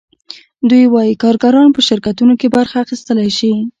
دوی وايي کارګران په شرکتونو کې برخه اخیستلی شي